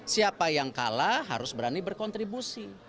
siapa yang kalah harus berani berkontribusi